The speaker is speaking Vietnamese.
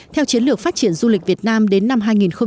theo chiến lược phát triển du lịch việt nam đến năm hai nghìn ba mươi